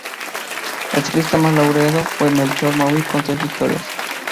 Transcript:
El ciclista más laureado fue Melchor Mauri, con tres victorias.